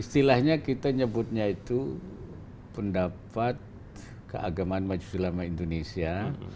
istilahnya kita nyebutnya itu pendapat keagamaan majelis ulama indonesia